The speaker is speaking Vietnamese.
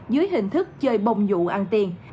dưới hình thức chơi bông dụ ăn tiền